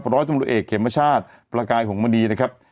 ร้อยตำรวจเอกเขมรชาติประกายหงษ์มณี